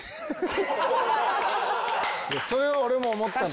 それは俺も思ったの。